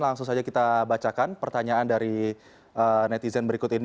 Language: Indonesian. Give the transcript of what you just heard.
langsung saja kita bacakan pertanyaan dari netizen berikut ini